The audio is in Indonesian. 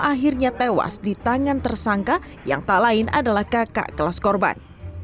akhirnya tewas di tangan tersangka yang tak lain adalah kakak kelas korban